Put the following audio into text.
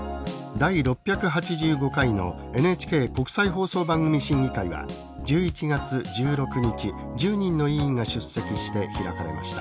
第６８５回のＮＨＫ国際放送番組審議会は１１月１６日１０人の委員が出席して開かれました。